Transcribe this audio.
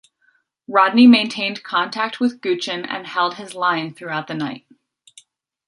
Rodney maintained contact with Guichen and held his line throughout the night.